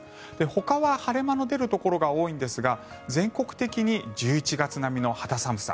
ほかは晴れ間の出るところが多いんですが全国的に１１月並みの肌寒さ。